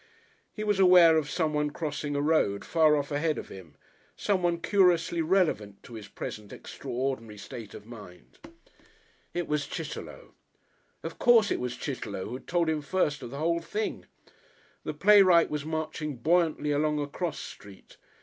He was aware of someone crossing a road far off ahead of him, someone curiously relevant to his present extraordinary state of mind. It was Chitterlow. Of course it was Chitterlow who had told him first of the whole thing! The playwright was marching buoyantly along a cross street.